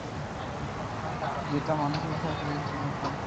যেটা মানসিক অসুস্থতার একটা রূপ আরকি।